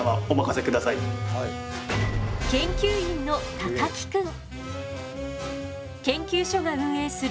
研究員の高木くん。